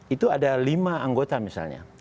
itu ada lima anggota misalnya